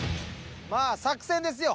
まあ作戦ですよ。